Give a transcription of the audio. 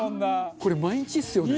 「これ毎日ですよね」